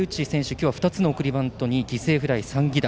今日は２つの送りバントに犠牲フライ、３犠打。